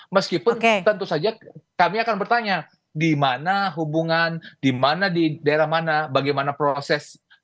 meskipun tentu saja kami akan bertanya di mana hubungan di mana di daerah mana bagaimana proses